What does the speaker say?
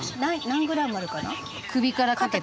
何グラムあるかな？